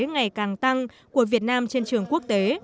ngày càng tăng của việt nam trên trường quốc tế